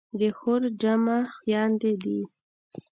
د خور جمع خویندې دي.